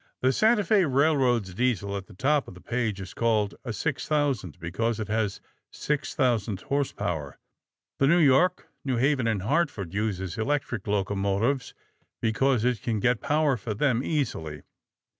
The Santa Fe Railroad's Diesel at the top of the page is called a 6000 because it has six thousand horsepower. The New York, New Haven & Hartford uses electric locomotives because it can get power for them easily.